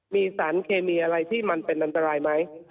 มีสารเคมีอะไรที่มันเป็นอันตรายไหม